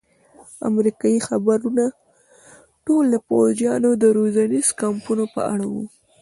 امریکایي خبرونه ټول د پوځیانو د روزنیزو کمپونو په اړه وو.